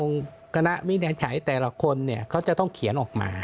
คณะวินิจฉัยแต่ละคนเนี่ยเขาจะต้องเขียนออกมา